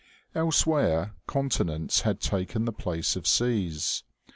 Elsewhere, continents had taken the place of seas.